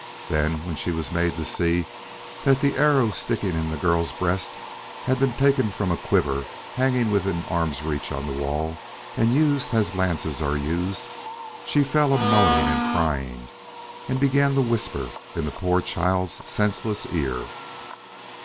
Then when she was made to see that the arrow sticking in the girl's breast had been taken from a quiver hanging within arm's reach on the wall and used as lances are used, she fell a moaning and crying, and began to whisper in the poor child's senseless ear."